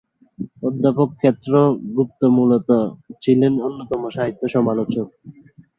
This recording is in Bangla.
অধ্যাপক ক্ষেত্র গুপ্ত মূলতঃ, ছিলেন অন্যতম সাহিত্য সমালোচক।